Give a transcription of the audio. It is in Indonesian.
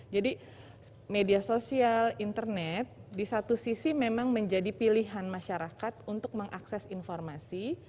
jadi media sosial internet di satu sisi memang menjadi pilihan masyarakat untuk mengakses informasi